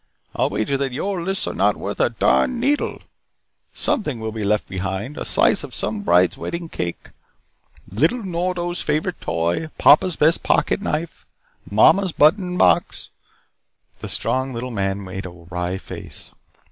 I'll wager that your lists are not worth a darning needle. Something will be left behind. A slice of some bride's wedding cake. Little Nordo's favorite toy. Papa's best pocket knife. Mama's button box." The strong little man made a wry face.